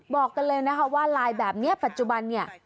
บอกกันเลยตอนนี้ลายแบบนี้ปัจจุบันนี่